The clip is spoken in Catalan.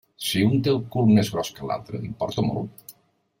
Si un té el cul més gros que l'altre, importa molt?